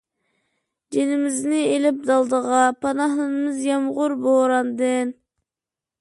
جېنىمىزنى ئېلىپ دالدىغا، پاناھلىنىمىز يامغۇر، بوراندىن.